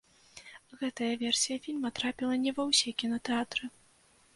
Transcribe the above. Гэтая версія фільма трапіла не ва ўсе кінатэатры.